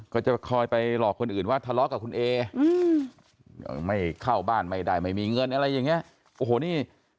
ก็จะคอยไปหลอกคนอื่นว่าทะเลาะกับคุณเอไม่เข้าบ้านไม่ได้ไม่มีเงินอะไรอย่างนี้โอ้โหนี่